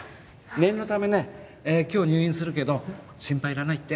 念のためね今日入院するけど心配いらないって。